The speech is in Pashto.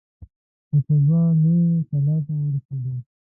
د کوربه لویې کلا ته ورسېدو.